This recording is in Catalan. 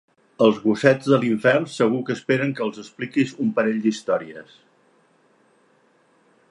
Els gossets de l'infern segur que esperen que els expliquis un parell d'històries.